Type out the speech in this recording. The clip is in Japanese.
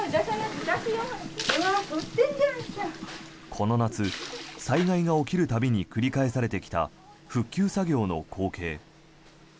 この夏、災害が起きる度に繰り返されてきた復旧作業の光景。